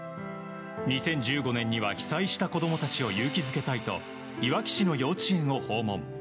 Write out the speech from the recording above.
２０１５年には被災した子供たちを勇気づけたいといわき市の幼稚園を訪問。